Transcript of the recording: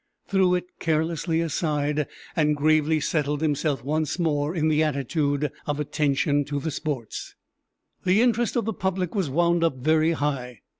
threw it carelessly aside and gravely settled himself once more in the attitude of attention to the sports. The interest of the public was wound up very high.